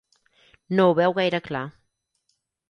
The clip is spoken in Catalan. No ho veu gaire clar.